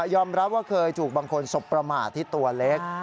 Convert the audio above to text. อมรับว่าเคยถูกบางคนสบประมาทที่ตัวเล็ก